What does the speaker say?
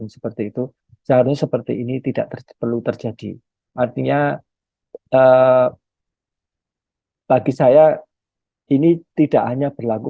seperti itu seharusnya seperti ini tidak perlu terjadi artinya bagi saya ini tidak hanya berlaku